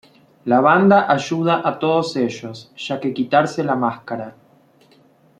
La banda ayuda a todos ellos, ya que quitarse la máscara.